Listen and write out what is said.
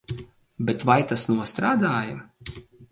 Bet vai tas nostrādāja?